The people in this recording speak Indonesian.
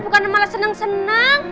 bukan malah seneng seneng